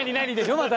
また。